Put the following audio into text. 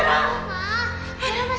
tidak ada tiara